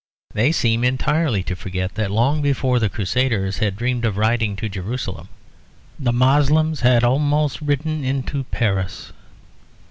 They seem entirely to forget that long before the Crusaders had dreamed of riding to Jerusalem, the Moslems had almost ridden into Paris.